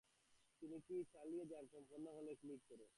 তুমি কি আমাদের কোন খামারে কল্পনা করছো বা অন্যকিছু?